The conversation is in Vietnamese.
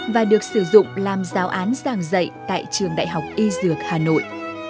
và được sử dụng làm giáo án giảng dạy tại trường đại học y dược hà nội